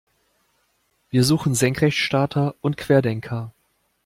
Wir suchen Senkrechtstarter und Querdenker.